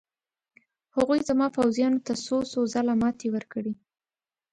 هغوی زما پوځیانو ته څو څو ځله ماتې ورکړې.